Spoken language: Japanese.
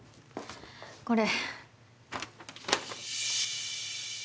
これ。